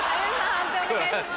判定お願いします。